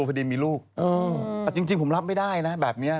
พอดีมีลูกจริงผมรับไม่ได้นะแบบนี้